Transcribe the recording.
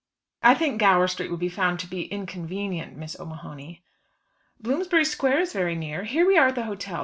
"I think Gower Street would be found to be inconvenient, Miss O'Mahony." "Bloomsbury Square is very near. Here we are at the hotel.